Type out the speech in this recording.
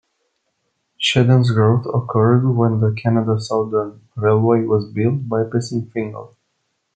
Shedden's growth occurred when the Canada Southern Railway was built, bypassing Fingal.